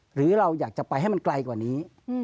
หรือเราอยากจะไปให้มันไกลกว่านี้